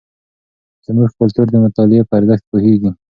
زموږ کلتور د مطالعې په ارزښت پوهیږي.